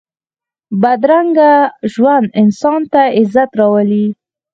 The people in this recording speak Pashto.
بدرنګه ژوند انسان ته عزت نه راولي